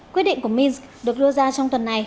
quyết định của mins được đưa ra trong tuần này